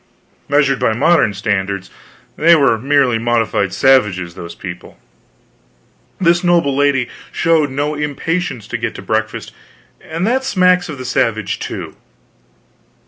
Measured by modern standards, they were merely modified savages, those people. This noble lady showed no impatience to get to breakfast and that smacks of the savage, too.